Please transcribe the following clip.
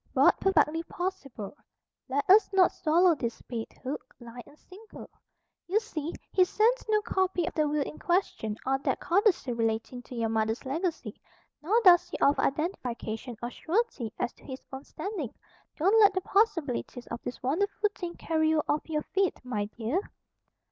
"But perfectly possible. Let us not swallow this bait, hook, line and sinker. You see, he sends no copy of the will in question, or that codicil relating to your mother's legacy; nor does he offer identification or surety as to his own standing. Don't let the possibilities of this wonderful thing carry you off your feet, my dear."